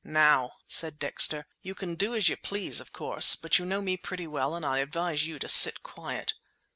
"Now," said Dexter, "you can do as you please, of course, but you know me pretty well and I advise you to sit quiet."